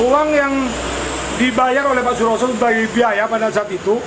uang yang dibayar oleh pak suroso sebagai biaya pada saat itu